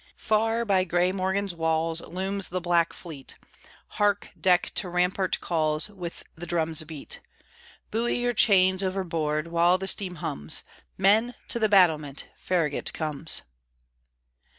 Far, by gray Morgan's walls, Looms the black fleet. Hark, deck to rampart calls With the drums' beat! Buoy your chains overboard, While the steam hums; Men! to the battlement, Farragut comes.